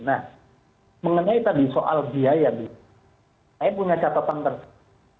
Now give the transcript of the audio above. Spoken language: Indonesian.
nah mengenai tadi soal biaya saya punya catatan tersebut